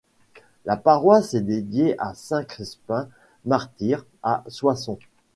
La paroisse est dédiée à Saint-Crespin martyr à Soissons.